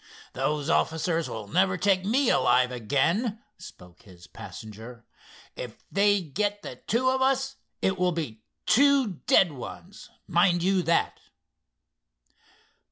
"Those officers will never take me alive again," spoke his passenger. "If they get the two of us it will be two dead ones, mind you, that."